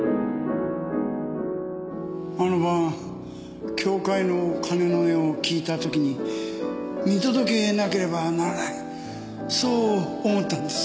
あの晩教会の鐘の音を聞いたときに見届けなければならないそう思ったんです。